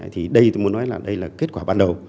thì đây tôi muốn nói là đây là kết quả ban đầu